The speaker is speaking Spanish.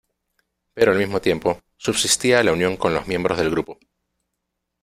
Pero al mismo tiempo, subsistía la unión con los miembros del grupo.